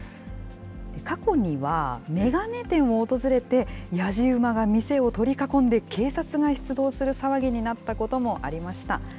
過去には眼鏡店を訪れて、やじ馬が店を取り囲んで警察が出動する騒ぎになったこともありました。